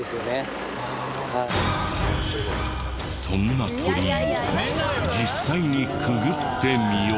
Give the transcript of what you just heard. そんな鳥居を実際にくぐってみよう。